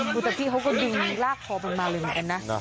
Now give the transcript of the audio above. ดูแต่พี่เขาก็ดึงลากคอมันมาเลยเหมือนกันนะ